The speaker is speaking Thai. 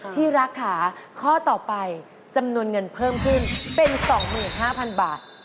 ที่รักค่ะข้อต่อไปจำนวนเงินเพิ่มขึ้นเป็น๒๕๐๐๐บาท